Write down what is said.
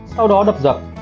sau đó đập dập